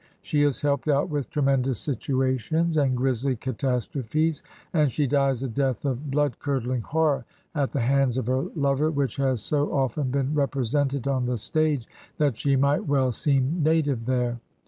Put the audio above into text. She is helped out with tremendous situations and grisly catastrophes, and she dies a death of blood curdling horror at the hands of her lover, which has so often been represented on the stage that she might well seem native there.